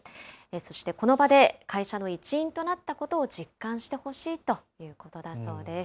そして、この場で会社の一員となったことを実感してほしいということだそうです。